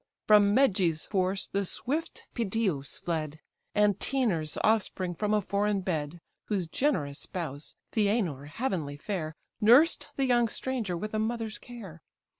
From Meges' force the swift Pedaeus fled, Antenor's offspring from a foreign bed, Whose generous spouse, Theanor, heavenly fair, Nursed the young stranger with a mother's care.